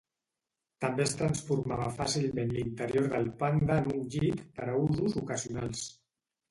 També es transformava fàcilment l'interior del Panda en un llit per a usos ocasionals.